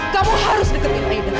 kamu harus deket ke aida